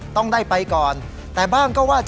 ต้องได้ไปก่อนแต่บ้างก็ว่า